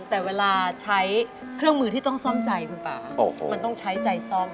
แต่เวลาใช้เครื่องมือที่ต้องซ่อมใจคุณป่ามันต้องใช้ใจซ่อม